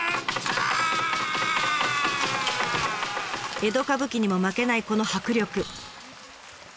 江戸歌舞伎にも負けないこの迫力。